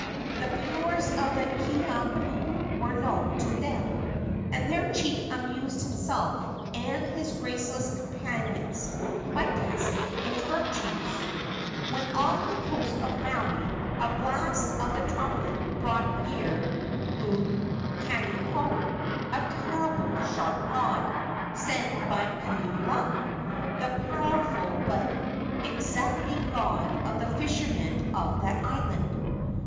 The powers of the Kiha pu were known to them, and their chief amused himself and his graceless companions by testing its virtues. When off the coast of Maui a blast of the trumpet brought near Ukanipo, a terrible shark god, sent by Kuula, the powerful but exacting god of the fishermen of that island.